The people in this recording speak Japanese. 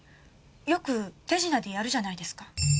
よく手品でやるじゃないですか。